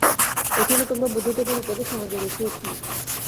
এক্ষণে তোমরা বুদ্ধদেবের উপদেশ মনোযোগের সহিত শোন।